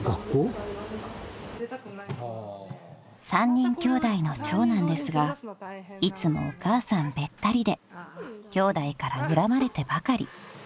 ［３人きょうだいの長男ですがいつもお母さんべったりできょうだいからにらまれてばかり］